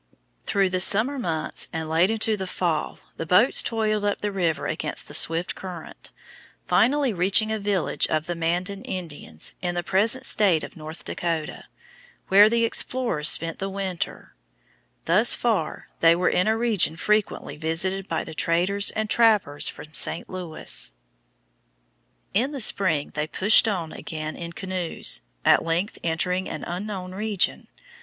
Through the summer months and late into the fall the boats toiled up the river against the swift current, finally reaching a village of the Mandan Indians in the present state of North Dakota, where the explorers spent the winter. Thus far they were in a region frequently visited by the traders and trappers from St. Louis. [Illustration: FIG. 67. THE GREAT FALLS OF THE MISSOURI] In the spring they pushed on again in canoes, at length entering an unknown region.